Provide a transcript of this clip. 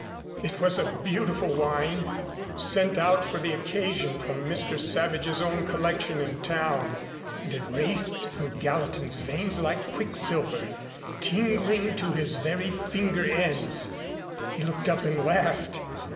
It was a beautiful wine sent out for the occasion from Mr. Savage's own collection in town, and it raced through Gallatin's veins like quicksilver, tingling to his very finger ends. He looked up and laughed.